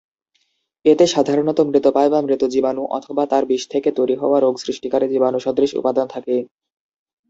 এতে সাধারণত মৃতপ্রায় বা মৃত জীবাণু অথবা তার বিষ থেকে তৈরী হওয়া রোগ সৃষ্টিকারী জীবাণু-সদৃশ উপাদান থাকে।